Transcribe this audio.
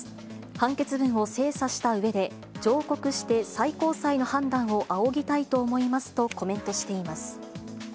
判決文を精査したうえで、上告して最高裁の判断を仰ぎたいと思いますとコメントしています。